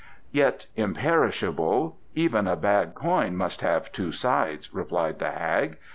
"Yet, imperishable, even a bad coin must have two sides," replied the hag.